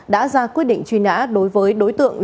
đã ra quyết định truy nã đối với đối tượng